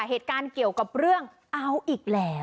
เหตุการณ์เกี่ยวกับเรื่องเอาอีกแล้ว